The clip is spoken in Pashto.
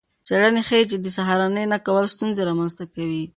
څیړنې ښيي چې د سهارنۍ نه کول ستونزې رامنځته کوي.